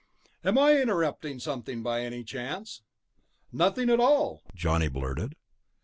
"Am I interrupting something, by any chance?" "Nothing at all," Johnny blurted.